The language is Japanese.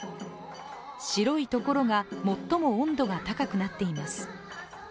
白いところが最も温度が高くなっています。